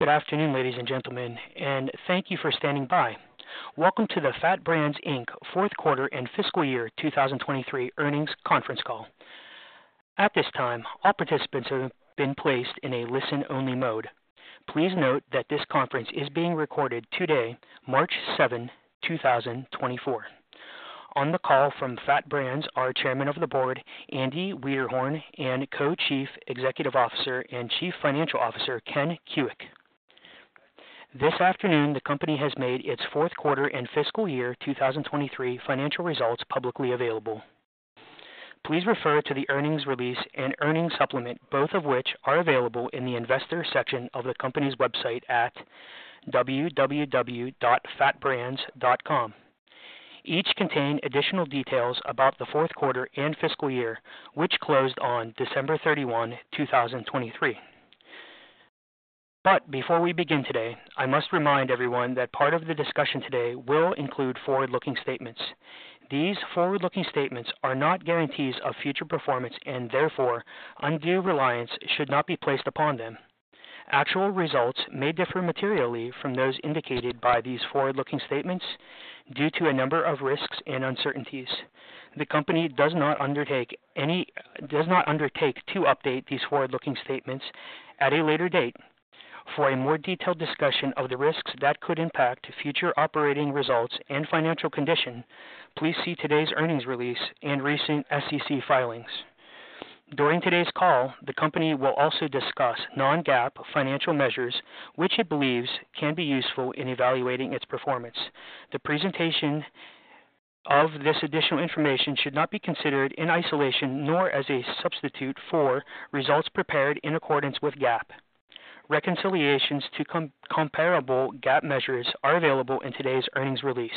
Good afternoon, ladies and gentlemen, and thank you for standing by. Welcome to the FAT Brands Inc. fourth quarter and fiscal year 2023 earnings conference call. At this time, all participants have been placed in a listen-only mode. Please note that this conference is being recorded today, March 7, 2024. On the call from FAT Brands, our Chairman of the Board, Andy Wiederhorn, and Co-Chief Executive Officer and Chief Financial Officer, Ken Kuick. This afternoon, the company has made its fourth quarter and fiscal year 2023 financial results publicly available. Please refer to the earnings release and earnings supplement, both of which are available in the investor section of the company's website at www.fatbrands.com. Each contain additional details about the fourth quarter and fiscal year, which closed on December 31, 2023. But before we begin today, I must remind everyone that part of the discussion today will include forward-looking statements. These forward-looking statements are not guarantees of future performance and therefore undue reliance should not be placed upon them. Actual results may differ materially from those indicated by these forward-looking statements due to a number of risks and uncertainties. The company does not undertake to update these forward-looking statements at a later date. For a more detailed discussion of the risks that could impact future operating results and financial condition, please see today's earnings release and recent SEC filings. During today's call, the company will also discuss non-GAAP financial measures, which it believes can be useful in evaluating its performance. The presentation of this additional information should not be considered in isolation, nor as a substitute for results prepared in accordance with GAAP. Reconciliations to comparable GAAP measures are available in today's earnings release.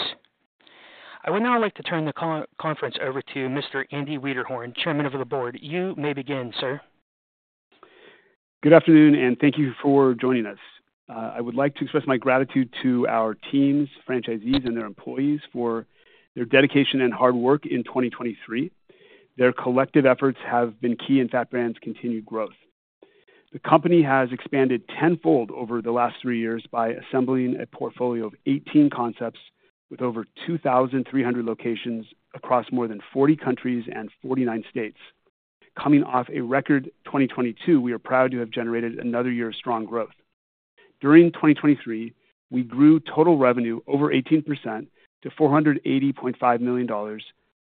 I would now like to turn the conference over to Mr. Andy Wiederhorn, Chairman of the Board. You may begin, sir. Good afternoon, and thank you for joining us. I would like to express my gratitude to our teams, franchisees, and their employees for their dedication and hard work in 2023. Their collective efforts have been key in FAT Brands continued growth. The company has expanded tenfold over the last three years by assembling a portfolio of 18 concepts with over 2,300 locations across more than 40 countries and 49 states. Coming off a record 2022, we are proud to have generated another year of strong growth. During 2023, we grew total revenue over 18% to $480.5 million,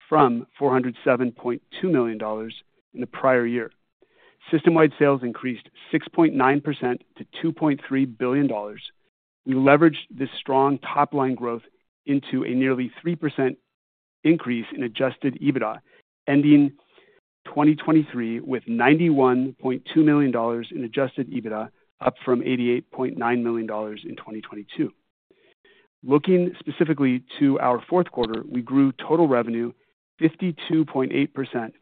from $407.2 million in the prior year. System-wide sales increased 6.9% to $2.3 billion. We leveraged this strong top-line growth into a nearly 3% increase in adjusted EBITDA, ending 2023 with $91.2 million in adjusted EBITDA, up from $88.9 million in 2022. Looking specifically to our fourth quarter, we grew total revenue 52.8%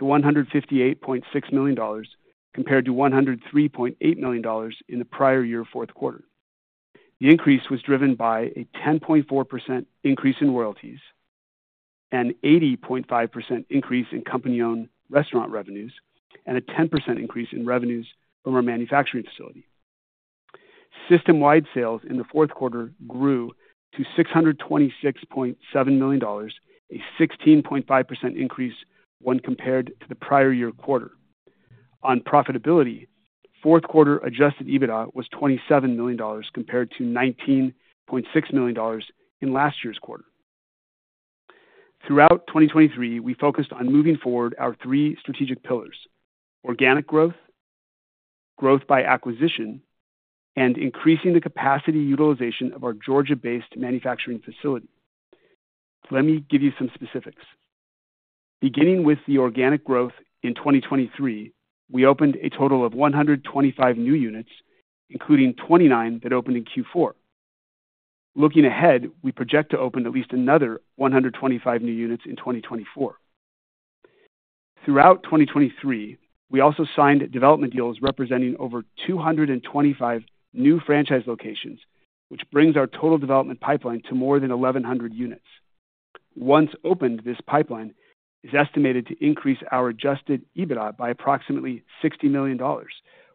to $158.6 million, compared to $103.8 million in the prior year fourth quarter. The increase was driven by a 10.4% increase in royalties, an 80.5% increase in company-owned restaurant revenues, and a 10% increase in revenues from our manufacturing facility. System-wide sales in the fourth quarter grew to $626.7 million, a 16.5% increase when compared to the prior year quarter. On profitability, fourth quarter adjusted EBITDA was $27 million, compared to $19.6 million in last year's quarter. Throughout 2023, we focused on moving forward our three strategic pillars: organic growth, growth by acquisition, and increasing the capacity utilization of our Georgia-based manufacturing facility. Let me give you some specifics. Beginning with the organic growth in 2023, we opened a total of 125 new units, including 29 that opened in Q4. Looking ahead, we project to open at least another 125 new units in 2024. Throughout 2023, we also signed development deals representing over 225 new franchise locations, which brings our total development pipeline to more than 1,100 units. Once opened, this pipeline is estimated to increase our adjusted EBITDA by approximately $60 million,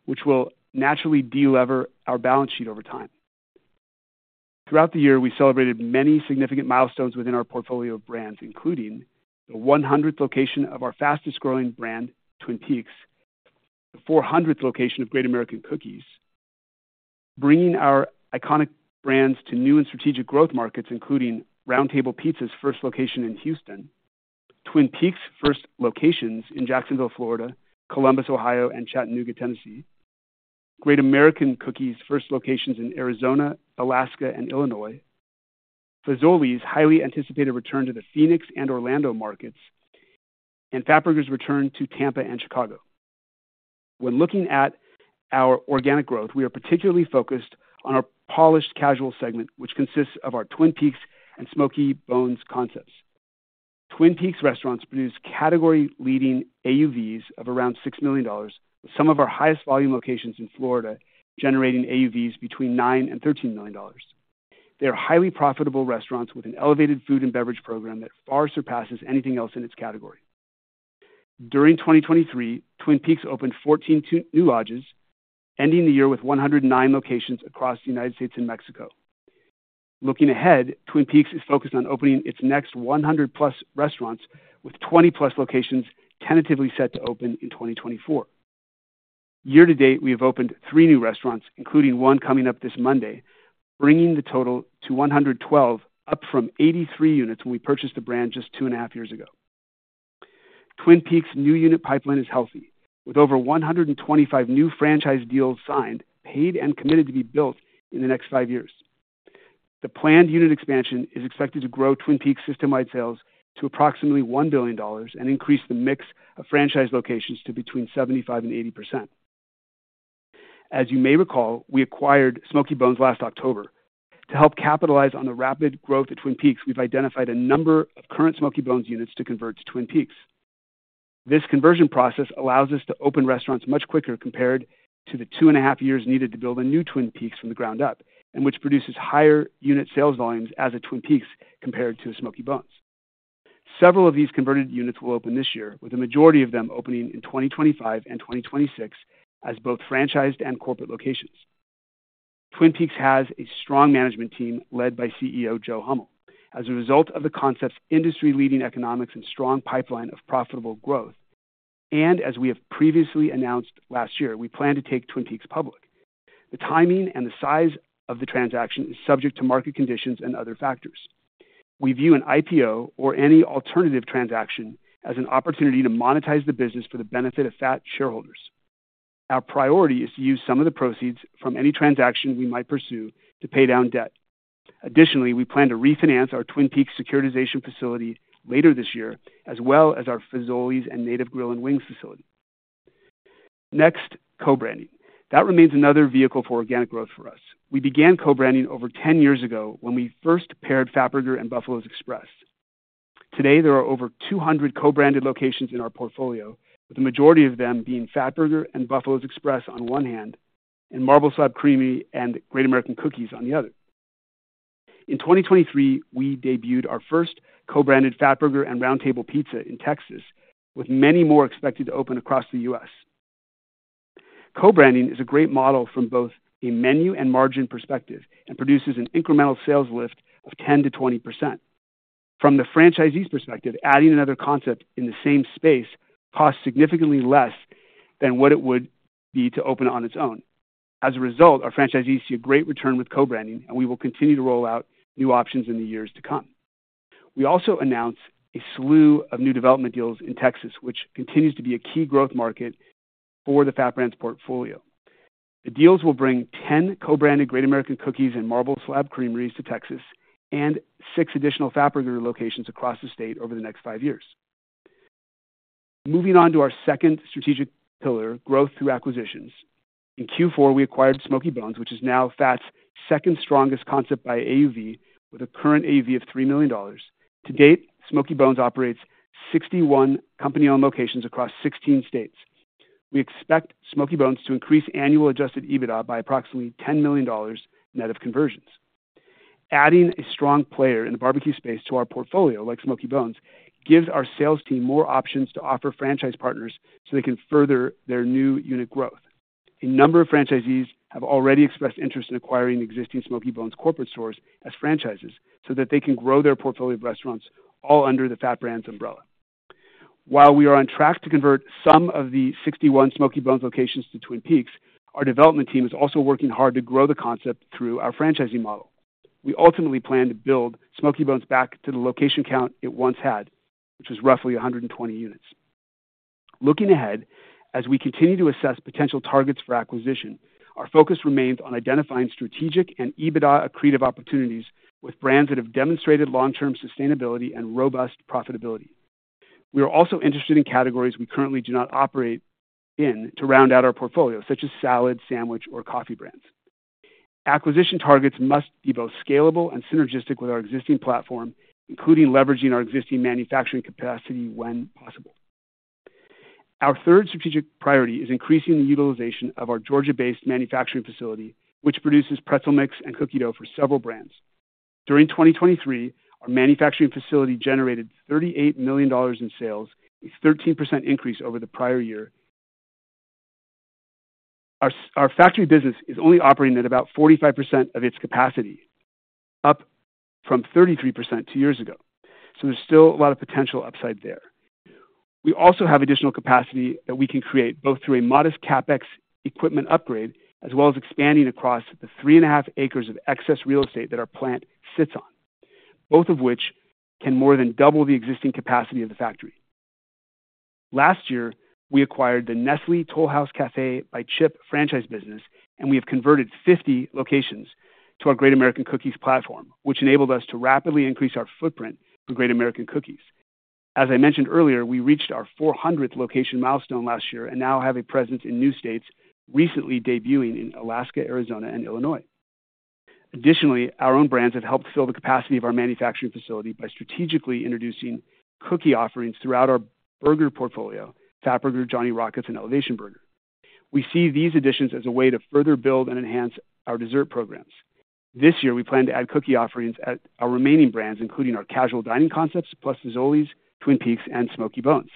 which will naturally de-lever our balance sheet over time. Throughout the year, we celebrated many significant milestones within our portfolio of brands, including the 100th location of our fastest-growing brand, Twin Peaks, the 400th location of Great American Cookies, bringing our iconic brands to new and strategic growth markets, including Round Table Pizza's first location in Houston, Twin Peaks' first locations in Jacksonville, Florida, Columbus, Ohio, and Chattanooga, Tennessee. Great American Cookies' first locations in Arizona, Alaska, and Illinois. Fazoli's highly anticipated return to the Phoenix and Orlando markets, and Fatburger's return to Tampa and Chicago. When looking at our organic growth, we are particularly focused on our polished casual segment, which consists of our Twin Peaks and Smokey Bones concepts. Twin Peaks restaurants produce category-leading AUVs of around $6 million, with some of our highest volume locations in Florida generating AUVs between $9 million and $13 million. They are highly profitable restaurants with an elevated food and beverage program that far surpasses anything else in its category.... During 2023, Twin Peaks opened 14 new lodges, ending the year with 109 locations across the United States and Mexico. Looking ahead, Twin Peaks is focused on opening its next 100+ restaurants, with 20+ locations tentatively set to open in 2024. Year to date, we have opened three new restaurants, including one coming up this Monday, bringing the total to 112, up from 83 units when we purchased the brand just two and a half years ago. Twin Peaks' new unit pipeline is healthy, with over 125 new franchise deals signed, paid, and committed to be built in the next five years. The planned unit expansion is expected to grow Twin Peaks' system-wide sales to approximately $1 billion and increase the mix of franchise locations to between 75% and 80%. As you may recall, we acquired Smokey Bones last October. To help capitalize on the rapid growth at Twin Peaks, we've identified a number of current Smokey Bones units to convert to Twin Peaks. This conversion process allows us to open restaurants much quicker compared to the two and a half years needed to build a new Twin Peaks from the ground up, and which produces higher unit sales volumes as a Twin Peaks compared to a Smokey Bones. Several of these converted units will open this year, with the majority of them opening in 2025 and 2026 as both franchised and corporate locations. Twin Peaks has a strong management team led by CEO Joe Hummel. As a result of the concept's industry-leading economics and strong pipeline of profitable growth, and as we have previously announced last year, we plan to take Twin Peaks public. The timing and the size of the transaction is subject to market conditions and other factors. We view an IPO or any alternative transaction as an opportunity to monetize the business for the benefit of FAT shareholders. Our priority is to use some of the proceeds from any transaction we might pursue to pay down debt. Additionally, we plan to refinance our Twin Peaks securitization facility later this year, as well as our Fazoli's and Native Grill & Wings facility. Next, co-branding. That remains another vehicle for organic growth for us. We began co-branding over 10 years ago when we first paired Fatburger and Buffalo's Express. Today, there are over 200 co-branded locations in our portfolio, with the majority of them being Fatburger and Buffalo's Express on one hand, and Marble Slab Creamery and Great American Cookies on the other. In 2023, we debuted our first co-branded Fatburger and Round Table Pizza in Texas, with many more expected to open across the U.S. Co-branding is a great model from both a menu and margin perspective and produces an incremental sales lift of 10%-20%. From the franchisee's perspective, adding another concept in the same space costs significantly less than what it would be to open on its own. As a result, our franchisees see a great return with co-branding, and we will continue to roll out new options in the years to come. We also announced a slew of new development deals in Texas, which continues to be a key growth market for the FAT Brands portfolio. The deals will bring 10 co-branded Great American Cookies and Marble Slab Creameries to Texas and six additional Fatburger locations across the state over the next five years. Moving on to our second strategic pillar, growth through acquisitions. In Q4, we acquired Smokey Bones, which is now FAT's second strongest concept by AUV, with a current AUV of $3 million. To date, Smokey Bones operates 61 company-owned locations across 16 states. We expect Smokey Bones to increase annual adjusted EBITDA by approximately $10 million, net of conversions. Adding a strong player in the barbecue space to our portfolio, like Smokey Bones, gives our sales team more options to offer franchise partners so they can further their new unit growth. A number of franchisees have already expressed interest in acquiring existing Smokey Bones corporate stores as franchises, so that they can grow their portfolio of restaurants, all under the FAT Brands umbrella. While we are on track to convert some of the 61 Smokey Bones locations to Twin Peaks, our development team is also working hard to grow the concept through our franchising model. We ultimately plan to build Smokey Bones back to the location count it once had, which was roughly 120 units. Looking ahead, as we continue to assess potential targets for acquisition, our focus remains on identifying strategic and EBITDA accretive opportunities with brands that have demonstrated long-term sustainability and robust profitability. We are also interested in categories we currently do not operate in to round out our portfolio, such as salad, sandwich, or coffee brands. Acquisition targets must be both scalable and synergistic with our existing platform, including leveraging our existing manufacturing capacity when possible. Our third strategic priority is increasing the utilization of our Georgia-based manufacturing facility, which produces pretzel mix and cookie dough for several brands. During 2023, our manufacturing facility generated $38 million in sales, a 13% increase over the prior year. Our factory business is only operating at about 45% of its capacity, up from 33% two years ago, so there's still a lot of potential upside there. We also have additional capacity that we can create, both through a modest CapEx equipment upgrade as well as expanding across the 3.5 acres of excess real estate that our plant sits on, both of which can more than double the existing capacity of the factory. Last year, we acquired the Nestlé Toll House Café by Chip franchise business, and we have converted 50 locations to our Great American Cookies platform, which enabled us to rapidly increase our footprint for Great American Cookies. As I mentioned earlier, we reached our 400th location milestone last year and now have a presence in new states, recently debuting in Alaska, Arizona, and Illinois. Additionally, our own brands have helped fill the capacity of our manufacturing facility by strategically introducing cookie offerings throughout our burger portfolio, Fatburger, Johnny Rockets, and Elevation Burger.... We see these additions as a way to further build and enhance our dessert programs. This year, we plan to add cookie offerings at our remaining brands, including our casual dining concepts, plus Fazoli's, Twin Peaks, and Smokey Bones.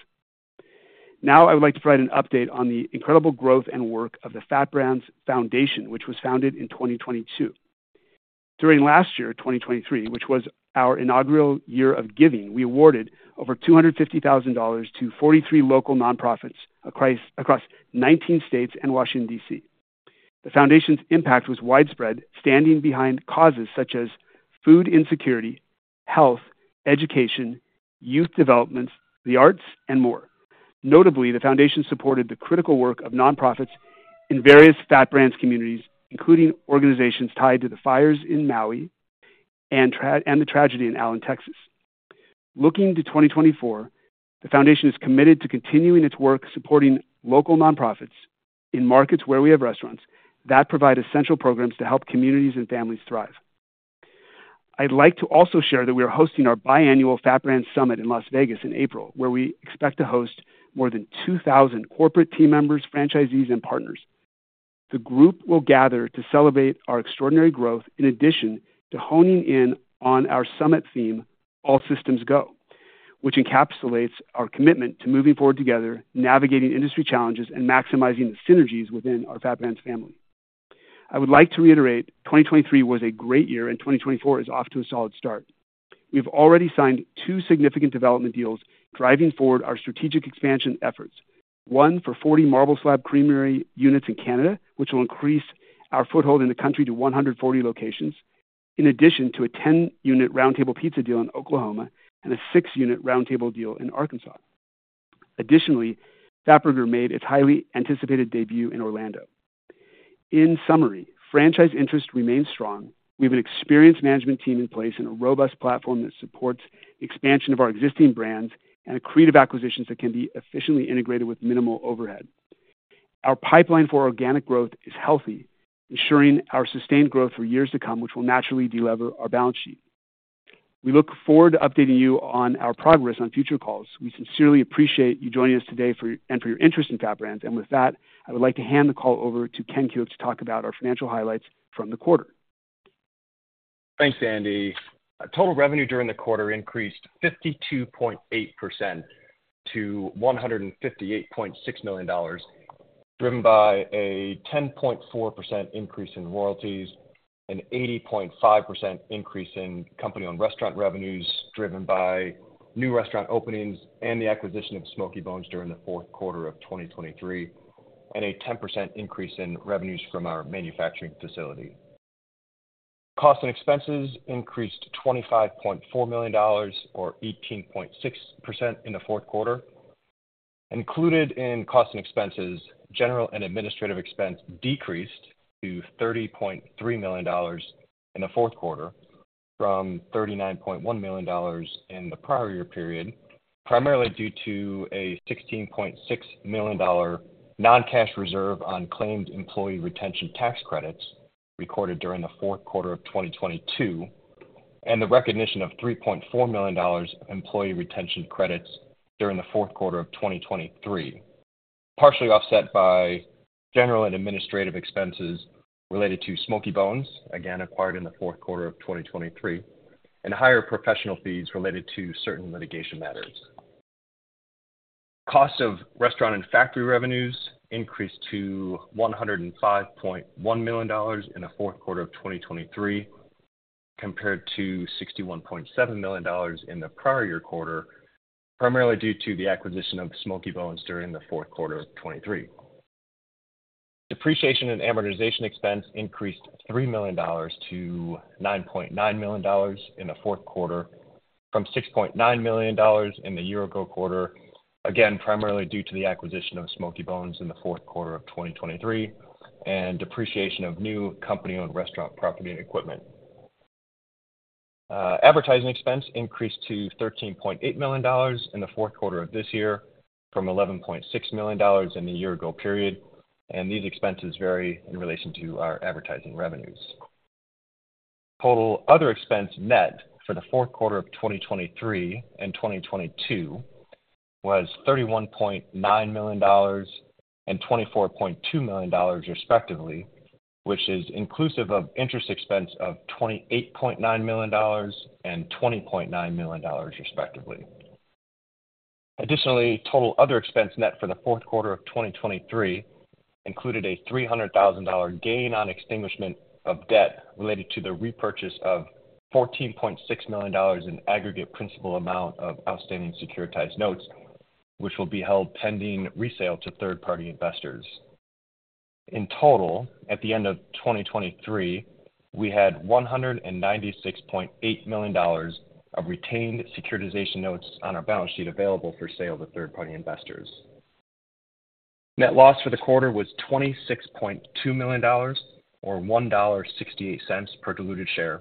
Now, I would like to provide an update on the incredible growth and work of the FAT Brands Foundation, which was founded in 2022. During last year, 2023, which was our inaugural year of giving, we awarded over $250,000 to 43 local nonprofits across 19 states and Washington, D.C. The foundation's impact was widespread, standing behind causes such as food insecurity, health, education, youth development, the arts, and more. Notably, the foundation supported the critical work of nonprofits in various FAT Brands communities, including organizations tied to the fires in Maui and the tragedy in Allen, Texas. Looking to 2024, the foundation is committed to continuing its work supporting local nonprofits in markets where we have restaurants that provide essential programs to help communities and families thrive. I'd like to also share that we are hosting our biannual FAT Brands Summit in Las Vegas in April, where we expect to host more than 2,000 corporate team members, franchisees, and partners. The group will gather to celebrate our extraordinary growth in addition to honing in on our summit theme, All Systems Go, which encapsulates our commitment to moving forward together, navigating industry challenges, and maximizing the synergies within our FAT Brands family. I would like to reiterate, 2023 was a great year, and 2024 is off to a solid start. We've already signed two significant development deals driving forward our strategic expansion efforts. A 40-unit Marble Slab Creamery deal in Canada, which will increase our foothold in the country to 140 locations, in addition to a 10-unit Round Table Pizza deal in Oklahoma and a 6-unit Round Table deal in Arkansas. Additionally, Fatburger made its highly anticipated debut in Orlando. In summary, franchise interest remains strong. We have an experienced management team in place and a robust platform that supports expansion of our existing brands and accretive acquisitions that can be efficiently integrated with minimal overhead. Our pipeline for organic growth is healthy, ensuring our sustained growth for years to come, which will naturally delever our balance sheet. We look forward to updating you on our progress on future calls. We sincerely appreciate you joining us today for and for your interest in FAT Brands. With that, I would like to hand the call over to Ken Kuick to talk about our financial highlights from the quarter. Thanks, Andy. Our total revenue during the quarter increased 52.8% to $158.6 million, driven by a 10.4% increase in royalties, an 80.5% increase in company-owned restaurant revenues, driven by new restaurant openings and the acquisition of Smokey Bones during the fourth quarter of 2023, and a 10% increase in revenues from our manufacturing facility. Costs and expenses increased $25.4 million or 18.6% in the fourth quarter. Included in costs and expenses, general and administrative expense decreased to $30.3 million in the fourth quarter from $39.1 million in the prior year period, primarily due to a $16.6 million non-cash reserve on claimed employee retention tax credits recorded during the fourth quarter of 2022, and the recognition of $3.4 million employee retention credits during the fourth quarter of 2023, partially offset by general and administrative expenses related to Smokey Bones, again, acquired in the fourth quarter of 2023, and higher professional fees related to certain litigation matters. Cost of restaurant and factory revenues increased to $105.1 million in the fourth quarter of 2023, compared to $61.7 million in the prior year quarter, primarily due to the acquisition of Smokey Bones during the fourth quarter of 2023. Depreciation and amortization expense increased $3 million to $9.9 million in the fourth quarter from $6.9 million in the year ago quarter, again, primarily due to the acquisition of Smokey Bones in the fourth quarter of 2023 and depreciation of new company-owned restaurant property and equipment. Advertising expense increased to $13.8 million in the fourth quarter of this year from $11.6 million in the year ago period, and these expenses vary in relation to our advertising revenues. Total other expense net for the fourth quarter of 2023 and 2022 was $31.9 million and $24.2 million, respectively, which is inclusive of interest expense of $28.9 million and $20.9 million, respectively. Additionally, total other expense net for the fourth quarter of 2023 included a $300,000 gain on extinguishment of debt related to the repurchase of $14.6 million in aggregate principal amount of outstanding securitized notes, which will be held pending resale to third-party investors. In total, at the end of 2023, we had $196.8 million of retained securitization notes on our balance sheet available for sale to third-party investors. Net loss for the quarter was $26.2 million, or $1.68 per diluted share,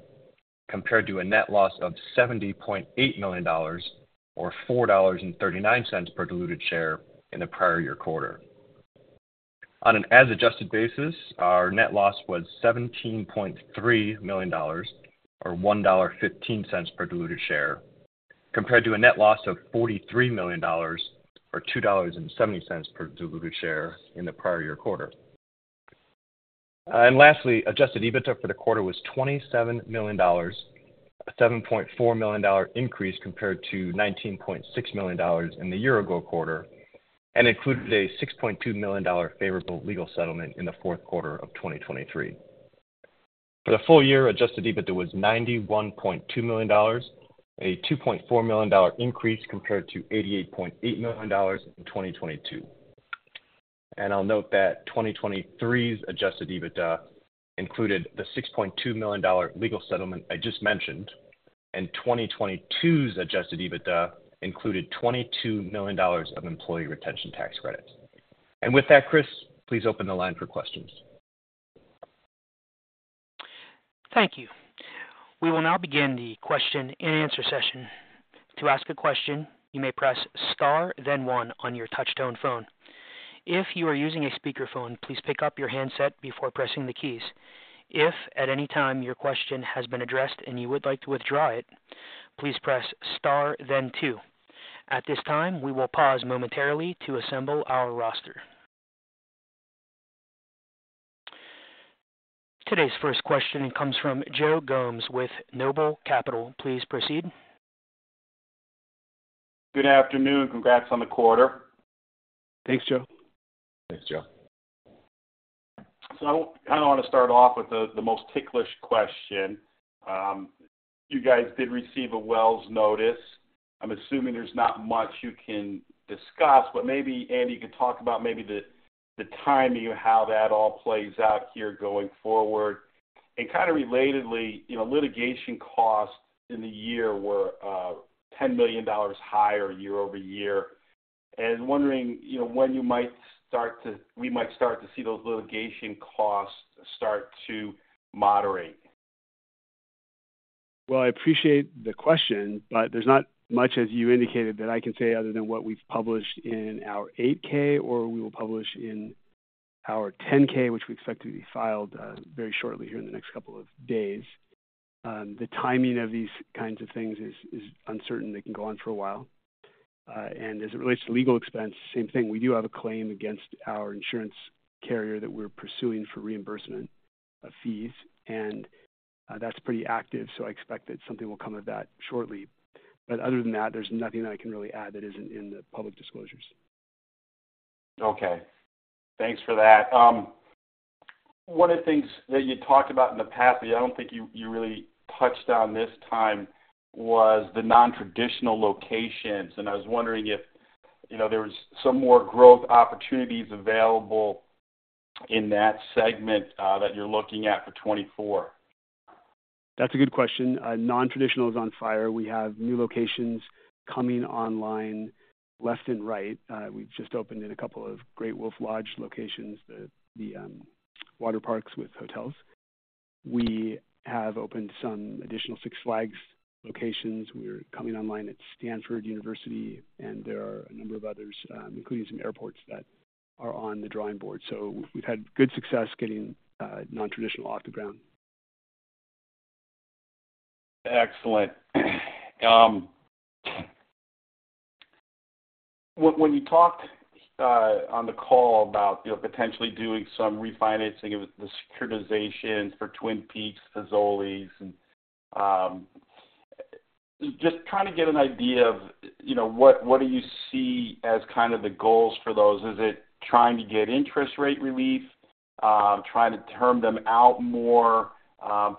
compared to a net loss of $70.8 million, or $4.39 per diluted share in the prior year quarter. On an as adjusted basis, our net loss was $17.3 million, or $1.15 per diluted share, compared to a net loss of $43 million, or $2.70 per diluted share in the prior year quarter. And lastly, adjusted EBITDA for the quarter was $27 million, a $7.4 million increase compared to $19.6 million in the year ago quarter, and included a $6.2 million dollar favorable legal settlement in the fourth quarter of 2023. For the full year, adjusted EBITDA was $91.2 million, a $2.4 million increase compared to $88.8 million in 2022. And I'll note that 2023's adjusted EBITDA included the $6.2 million legal settlement I just mentioned, and 2022's adjusted EBITDA included $22 million of Employee Retention Tax Credits. And with that, Chris, please open the line for questions. Thank you. We will now begin the question and answer session. To ask a question, you may press Star, then one on your touchtone phone. If you are using a speakerphone, please pick up your handset before pressing the keys. If at any time your question has been addressed and you would like to withdraw it, please press Star then two. At this time, we will pause momentarily to assemble our roster. Today's first question comes from Joe Gomes with Noble Capital. Please proceed. Good afternoon. Congrats on the quarter. Thanks, Joe. Thanks, Joe. So I kind of want to start off with the most ticklish question. You guys did receive a Wells Notice. I'm assuming there's not much you can discuss, but maybe, Andy, you can talk about maybe the timing of how that all plays out here going forward. And kind of relatedly, you know, litigation costs in the year were $10 million higher year-over-year. And wondering, you know, when you might start to—we might start to see those litigation costs start to moderate? Well, I appreciate the question, but there's not much, as you indicated, that I can say other than what we've published in our 8-K or we will publish in our 10-K, which we expect to be filed very shortly here in the next couple of days. The timing of these kinds of things is uncertain. They can go on for a while. And as it relates to legal expense, same thing. We do have a claim against our insurance carrier that we're pursuing for reimbursement of fees, and that's pretty active, so I expect that something will come of that shortly. But other than that, there's nothing I can really add that isn't in the public disclosures. Okay, thanks for that. One of the things that you talked about in the past, I don't think you, you really touched on this time, was the nontraditional locations, and I was wondering if, you know, there was some more growth opportunities available in that segment, that you're looking at for 2024. That's a good question. Nontraditional is on fire. We have new locations coming online, left and right. We've just opened in a couple of Great Wolf Lodge locations, the water parks with hotels. We have opened some additional Six Flags locations. We are coming online at Stanford University, and there are a number of others, including some airports that are on the drawing board. So we've had good success getting nontraditional off the ground. Excellent. When you talked on the call about, you know, potentially doing some refinancing of the securitizations for Twin Peaks, Fazoli's, and just trying to get an idea of, you know, what do you see as kind of the goals for those? Is it trying to get interest rate relief, trying to term them out more,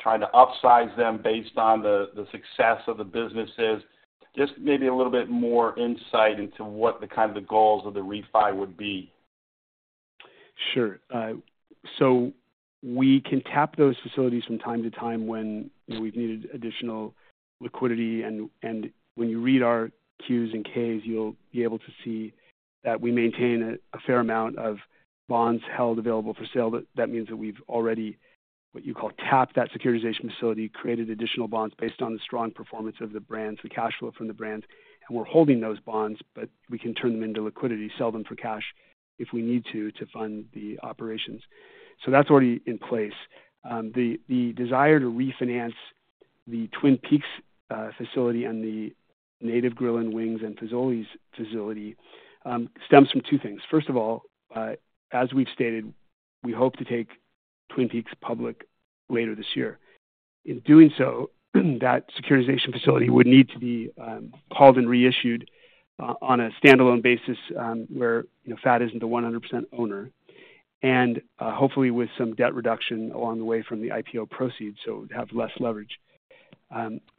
trying to upsize them based on the success of the businesses? Just maybe a little bit more insight into what kind of the goals of the refi would be. Sure. So we can tap those facilities from time to time when we've needed additional liquidity, and when you read our Qs and Ks, you'll be able to see that we maintain a fair amount of bonds held available for sale. That means that we've already, what you call, tapped that securitization facility, created additional bonds based on the strong performance of the brands, the cash flow from the brands, and we're holding those bonds, but we can turn them into liquidity, sell them for cash if we need to, to fund the operations. So that's already in place. The desire to refinance the Twin Peaks facility and the Native Grill & Wings and Fazoli's facility stems from two things. First of all, as we've stated, we hope to take Twin Peaks public later this year. In doing so, that securitization facility would need to be called and reissued on a standalone basis, where, you know, FAT isn't the 100% owner, and hopefully with some debt reduction along the way from the IPO proceeds, so have less leverage.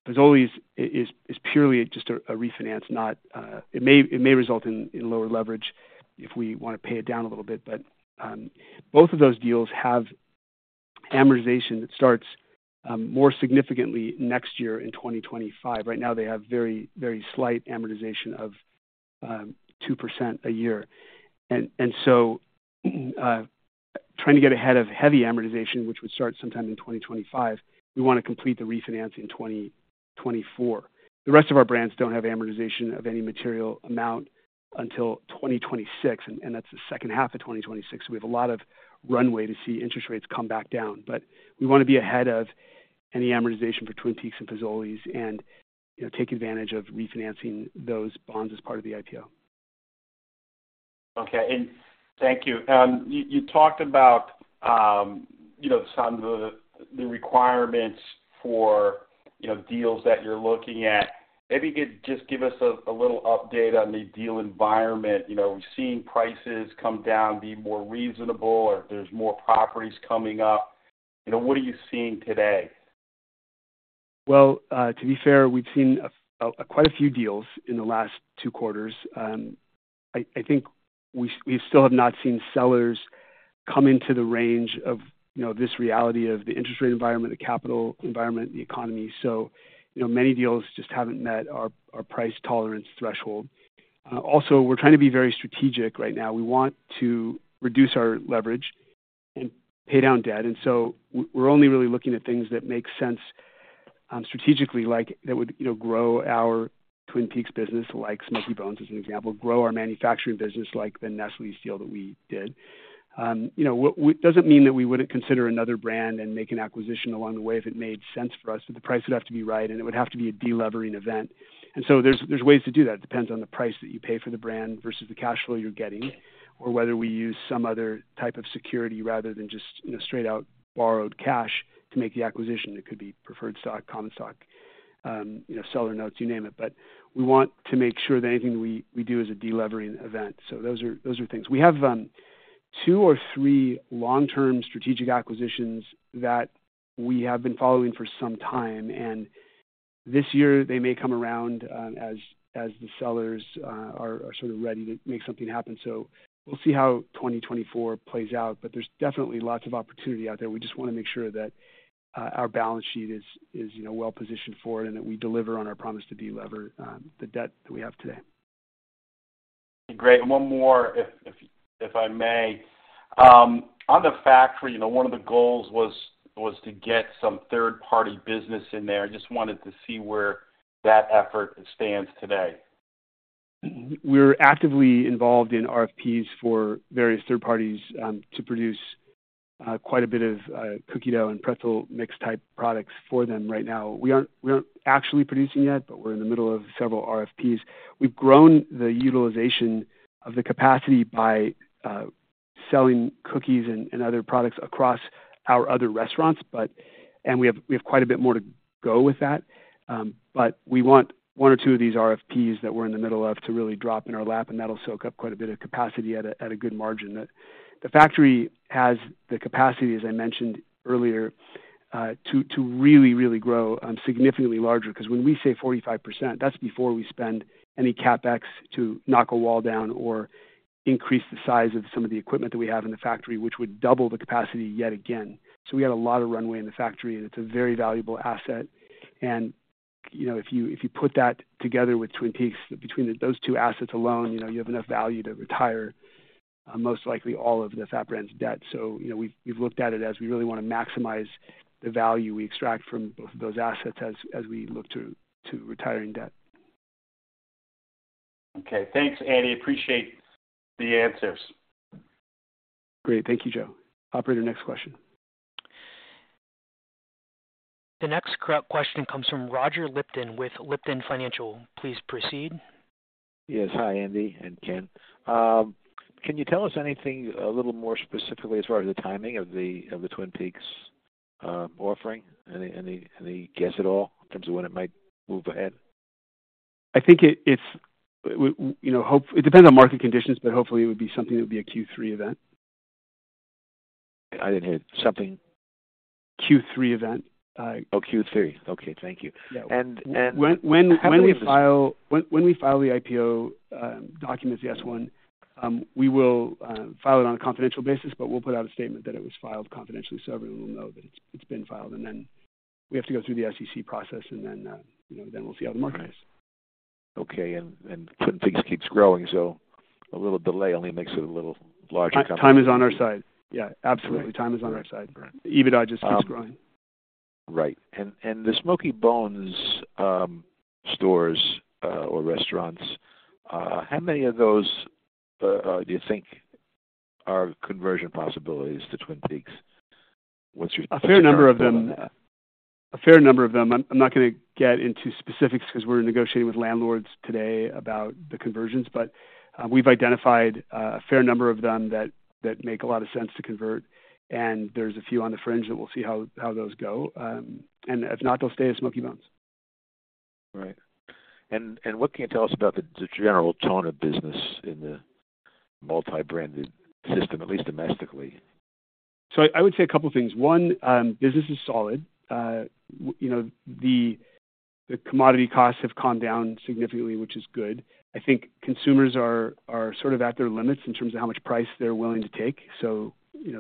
Fazoli's is purely just a refinance, not... It may result in lower leverage if we want to pay it down a little bit, but both of those deals have amortization that starts more significantly next year, in 2025. Right now, they have very, very slight amortization of 2% a year. And so, trying to get ahead of heavy amortization, which would start sometime in 2025, we wanna complete the refinancing in 2024. The rest of our brands don't have amortization of any material amount until 2026, and that's the second half of 2026. We have a lot of runway to see interest rates come back down, but we wanna be ahead of any amortization for Twin Peaks and Fazoli's and, you know, take advantage of refinancing those bonds as part of the IPO.... Okay, and thank you. You talked about, you know, some of the requirements for, you know, deals that you're looking at. Maybe you could just give us a little update on the deal environment. You know, we've seen prices come down, be more reasonable, or if there's more properties coming up. You know, what are you seeing today? Well, to be fair, we've seen quite a few deals in the last two quarters. I think we still have not seen sellers come into the range of, you know, this reality of the interest rate environment, the capital environment, the economy. So, you know, many deals just haven't met our price tolerance threshold. Also, we're trying to be very strategic right now. We want to reduce our leverage and pay down debt, and so we're only really looking at things that make sense, strategically, like that would, you know, grow our Twin Peaks business, like Smokey Bones, as an example. Grow our manufacturing business, like the Nestlé deal that we did. You know, it doesn't mean that we wouldn't consider another brand and make an acquisition along the way if it made sense for us, but the price would have to be right, and it would have to be a de-levering event. So there's ways to do that. It depends on the price that you pay for the brand versus the cash flow you're getting, or whether we use some other type of security, rather than just, you know, straight out borrowed cash to make the acquisition. It could be preferred stock, common stock, you know, seller notes, you name it. But we want to make sure that anything we do is a de-levering event. So those are things. We have two or three long-term strategic acquisitions that we have been following for some time, and this year they may come around, as the sellers are sort of ready to make something happen. So we'll see how 2024 plays out, but there's definitely lots of opportunity out there. We just wanna make sure that our balance sheet is, you know, well positioned for it and that we deliver on our promise to delever the debt that we have today. Great. One more, if I may. On the factory, you know, one of the goals was to get some third-party business in there. I just wanted to see where that effort stands today. We're actively involved in RFPs for various third parties to produce quite a bit of cookie dough and pretzel mix type products for them right now. We aren't, we aren't actually producing yet, but we're in the middle of several RFPs. We've grown the utilization of the capacity by selling cookies and other products across our other restaurants, but. And we have, we have quite a bit more to go with that. But we want one or two of these RFPs that we're in the middle of to really drop in our lap, and that'll soak up quite a bit of capacity at a good margin. The factory has the capacity, as I mentioned earlier, to really grow significantly larger. Because when we say 45%, that's before we spend any CapEx to knock a wall down or increase the size of some of the equipment that we have in the factory, which would double the capacity yet again. So we have a lot of runway in the factory, and it's a very valuable asset. And, you know, if you put that together with Twin Peaks, between those two assets alone, you know, you have enough value to retire most likely all of the FAT Brands debt. So, you know, we've looked at it as we really wanna maximize the value we extract from both of those assets as we look to retiring debt. Okay. Thanks, Andy. Appreciate the answers. Great. Thank you, Joe. Operator, next question. The next question comes from Roger Lipton with Lipton Financial. Please proceed. Yes. Hi, Andy and Ken. Can you tell us anything a little more specifically as far as the timing of the Twin Peaks offering? Any guess at all in terms of when it might move ahead? I think, you know, it depends on market conditions, but hopefully it would be something that would be a Q3 event. I didn't hear. Something? Q3 event, Oh, Q3. Okay, thank you. Yeah. And, and- When we file the IPO documents, the S-1, we will file it on a confidential basis, but we'll put out a statement that it was filed confidentially so everyone will know that it's been filed, and then we have to go through the SEC process and then, you know, then we'll see how the market is. Okay. And Twin Peaks keeps growing, so a little delay only makes it a little larger- Time is on our side. Yeah, absolutely. Great. Time is on our side. Great. EBITDA just keeps growing. Right. And the Smokey Bones stores or restaurants, how many of those do you think are conversion possibilities to Twin Peaks? What's your- A fair number of them. A fair number of them. I'm not gonna get into specifics because we're negotiating with landlords today about the conversions, but we've identified a fair number of them that make a lot of sense to convert, and there's a few on the fringe, and we'll see how those go. And if not, they'll stay as Smokey Bones. Right. And what can you tell us about the general tone of business in the multi-branded system, at least domestically? So I would say a couple of things. One, business is solid. You know, the commodity costs have come down significantly, which is good. I think consumers are sort of at their limits in terms of how much price they're willing to take. So, you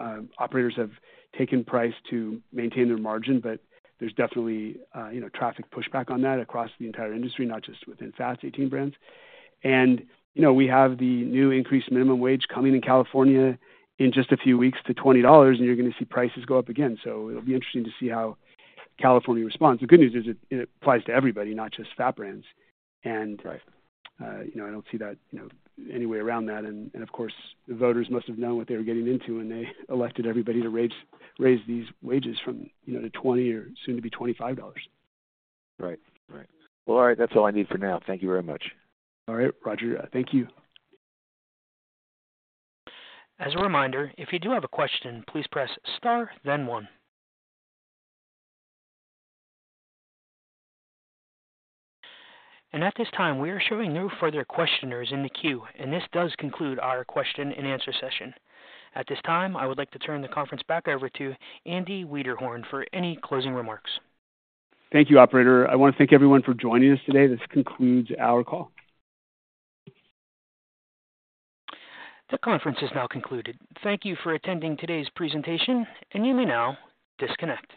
know, operators have taken price to maintain their margin, but there's definitely, you know, traffic pushback on that across the entire industry, not just within FAT Brands. And, you know, we have the new increased minimum wage coming in California in just a few weeks to $20, and you're gonna see prices go up again. So it'll be interesting to see how California responds. The good news is it applies to everybody, not just FAT Brands. Right. And, you know, I don't see that, you know, any way around that. And, of course, the voters must have known what they were getting into when they elected everybody to raise these wages from, you know, to $20 or soon to be $25. Right. Right. Well, all right. That's all I need for now. Thank you very much. All right, Roger, thank you. As a reminder, if you do have a question, please press star then one. At this time, we are showing no further questioners in the queue, and this does conclude our question and answer session. At this time, I would like to turn the conference back over to Andy Wiederhorn for any closing remarks. Thank you, operator. I want to thank everyone for joining us today. This concludes our call. The conference is now concluded. Thank you for attending today's presentation, and you may now disconnect.